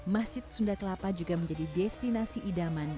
masjid sunda kelapa juga menjadi destinasi idaman